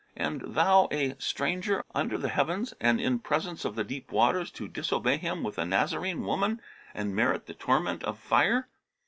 and thou a stranger, under the heavens and in presence of the deep waters, to disobey Him with a Nazarene woman and merit the torment of Fire?'